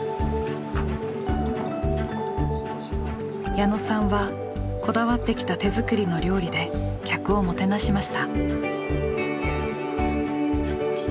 矢野さんはこだわってきた手作りの料理で客をもてなしました。